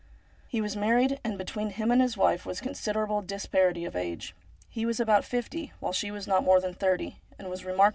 He was married, and between him and his wife was considerable disparity of age. He was about fifty, while she was not more than thirty, and was remarkably handsome.